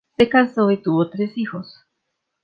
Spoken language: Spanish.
Se casó y tuvo tres hijos.